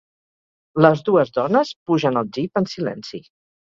Les dues dones pugen al jeep en silenci.